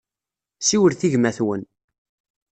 Siwlet i gma-twen.